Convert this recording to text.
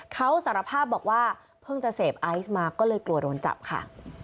เขาสารภาพบอกว่าเพิ่งจะเสพไอซ์มาก็เลยกลัวโดนจับค่ะ